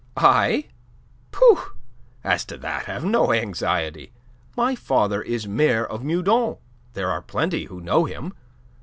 "I? Pooh! As to that, have no anxiety. My father is Mayor of Meudon. There are plenty who know him.